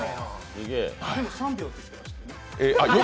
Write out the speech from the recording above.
でも３秒って言ってましたよね。